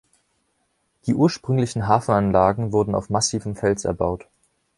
Die ursprünglichen Hafenanlagen wurden auf massivem Fels erbaut.